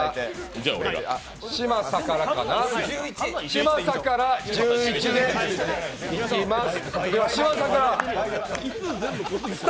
嶋佐から１１でいきます。